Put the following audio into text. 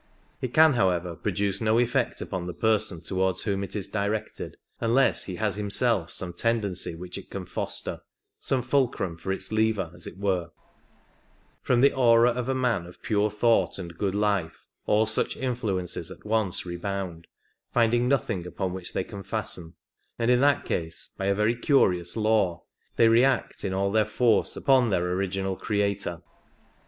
It can, however, produce no effect upon the person towards whom it is directed unless he has himself some tendency which it can foster — some fulcrum for its lever, as it were ; from the aura of a man of pure thought and good life all such in fluences at once rebound, finding nothing upon which they can fasten, and in that case, by a very curious law, they re act in all their force upon their original creator.